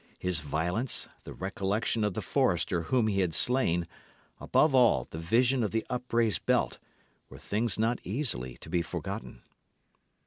His violence, the recollection of the forester whom he had slain above all, the vision of the upraised belt, were things not easily to be forgotten.